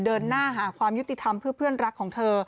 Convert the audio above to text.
เดินหน้าหาความยุติธรรมเพื่อเพื่อนรักของเธอ